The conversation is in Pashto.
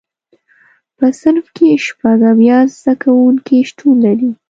په صنف کې شپږ اویا زده کوونکي شتون لري.